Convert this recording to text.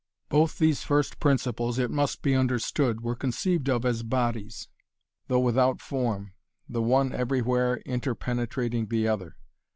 Both these first principles, it must be understood, were conceived of as bodies, though without form, the one everywhere interpenetrating the other.